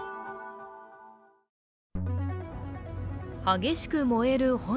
激しく燃える炎。